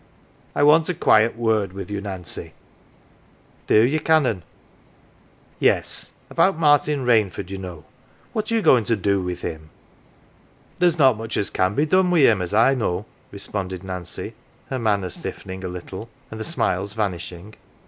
" I want a quiet word with you, Nancy." "Do ye, Canon? 11 " Yes. About Martin Rainford, you know. What are you going to do with him ?" "There's not much as can be done wi 1 him, as I know," responded Nancy, her manner stiffening a little, 89 NANCY and the smiles vanishing.